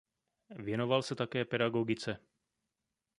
Věnoval se také pedagogice.